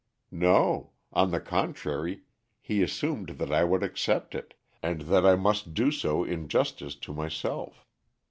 "No. On the contrary he assumed that I would accept it, and that I must do so in justice to myself.